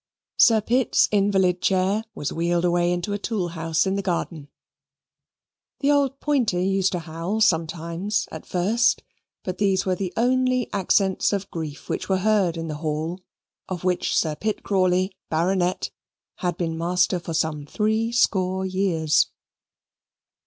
Sir Pitt's invalid chair was wheeled away into a tool house in the garden; the old pointer used to howl sometimes at first, but these were the only accents of grief which were heard in the Hall of which Sir Pitt Crawley, Baronet, had been master for some threescore years.